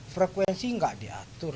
frekuensi nggak diatur